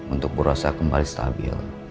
untuk berosa kembali stabil